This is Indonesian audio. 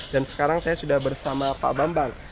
dan sekarang saya sudah bersama pak bambang